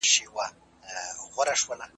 د مسلمانانو تر منځ د کرکي د مخنيوي اسباب کارول.